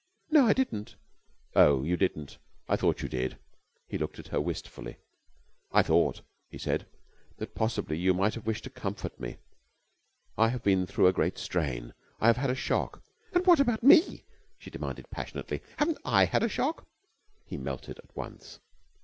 "No, I didn't." "Oh, you didn't! I thought you did!" He looked at her wistfully. "I thought," he said, "that possibly you might have wished to comfort me. I have been through a great strain. I have had a shock...." "And what about me?" she demanded passionately. "Haven't I had a shock?" He melted at once.